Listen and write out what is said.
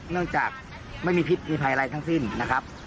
เนื่องจากไม่มีพิษมีภัยอะไรทั้งสิ้นนะครับ